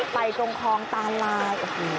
ตรงคลองตาลาย